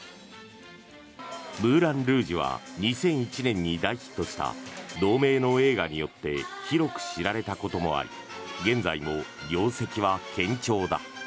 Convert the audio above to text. ムーラン・ルージュは２００１年に大ヒットした同名の映画によって広く知られたこともあり現在も業績は堅調だ。